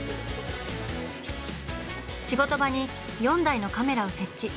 仕事場に４台のカメラを設置。